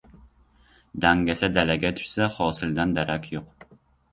• Dangasa dalaga tushsa, hosildan darak yo‘q.